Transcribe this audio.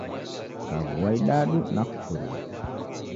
Kaghua idadu nakuchuria